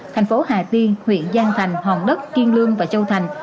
thành phố hà tiên huyện giang thành hòn đất kiên lương và châu thành